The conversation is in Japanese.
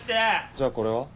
じゃあこれは？